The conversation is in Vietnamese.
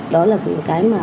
đó là cái mà